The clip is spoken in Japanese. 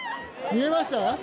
見えました。